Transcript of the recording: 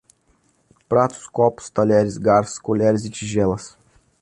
Pratos, copos, talheres, garfos, colheres e tigelas